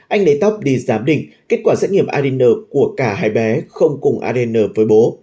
anh bế tóc đi giám định kết quả xét nghiệm adn của cả hai bé không cùng adn với bố